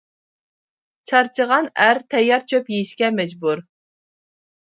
چارچىغان ئەر تەييار چۆپ يېيىشكە مەجبۇر.